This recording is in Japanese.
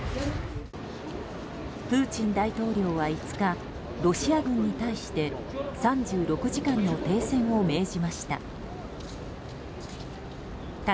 プーチン大統領は５日ロシア軍に対して３６時間の停戦を命じました。